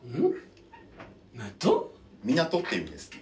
「港」っていう意味ですね。